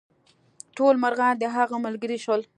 ټول مرغان د هغه ملګري شول.